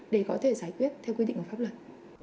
để giải quyết theo quyết định của pháp luật